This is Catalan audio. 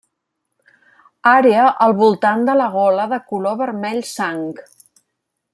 Àrea al voltant de la gola de color vermell sang.